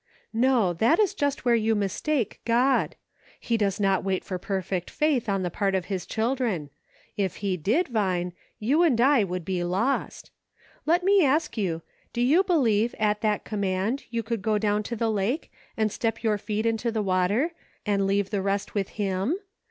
" No, it is just there where you mistake God ; he does not wait for perfect faith on the part of his children ; if he did. Vine, you and I would be lost. Let me ask you, do you believe at that com g6 "I WILL." mand you could go down to the lake and step your feet into the water, and leave the rest with him